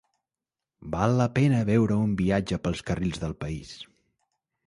Val la pena veure un viatge pels carrils del país.